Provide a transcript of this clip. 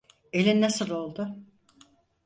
Elin nasıl oldu?